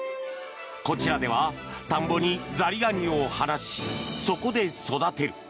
こちらでは田んぼにザリガニを放しそこで育てる。